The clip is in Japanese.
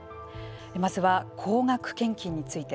まずは高額献金について。